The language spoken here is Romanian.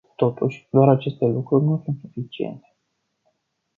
Totuși, doar aceste lucruri nu sunt suficiente.